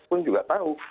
saya pun juga tahu